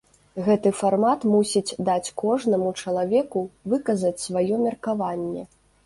Гэты фармат мусіць даць кожнаму чалавеку выказаць сваё меркаванне.